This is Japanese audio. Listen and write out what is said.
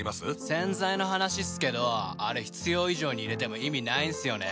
洗剤の話っすけどあれ必要以上に入れても意味ないんすよね。